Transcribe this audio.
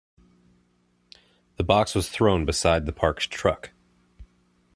The box was thrown beside the parked truck.